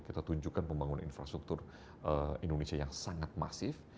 kita tunjukkan pembangunan infrastruktur indonesia yang sangat masif